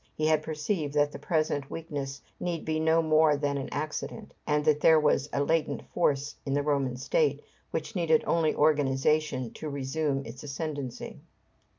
He had perceived that the present weakness need be no more than an accident, and that there was a latent force in the Roman state, which needed only organization to resume its ascendency.